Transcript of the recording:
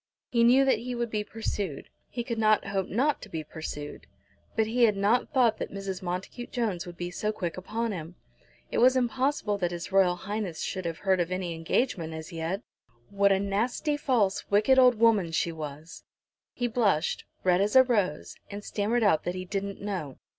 He knew that he would be pursued. He could not hope not to be pursued. But he had not thought that Mrs. Montacute Jones would be so quick upon him. It was impossible that H.R.H should have heard of any engagement as yet. What a nasty, false, wicked old woman she was! He blushed, red as a rose, and stammered out that he "didn't know."